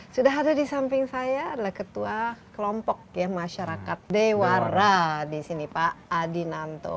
sudah ada di samping saya adalah ketua kelompok masyarakat dewara di sini pak adinanto